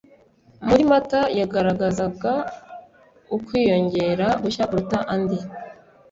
muri Mata yagaragazaga ukwiyongera gushya kuruta andi